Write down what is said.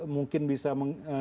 mungkin bisa menggunakan